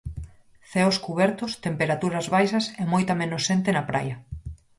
Ceos cubertos, temperaturas baixas e moita menos xente na praia.